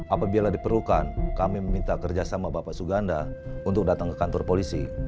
apabila diperlukan kami meminta kerjasama bapak suganda untuk datang ke kantor polisi